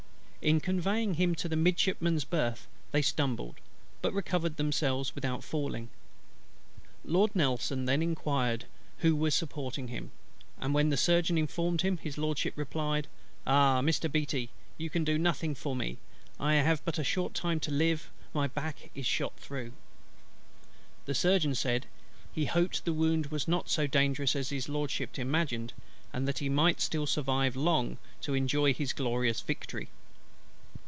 In conveying him to one of the Midshipmen's births, they stumbled, but recovered themselves without falling. Lord NELSON then inquired who were supporting him; and when the Surgeon informed him, His LORDSHIP replied, "Ah, Mr. BEATTY! you can do nothing for me. I have but a short time to live: my back is shot through." The Surgeon said, "he hoped the wound was not so dangerous as His LORDSHIP imagined, and that he might still survive long to enjoy his glorious victory."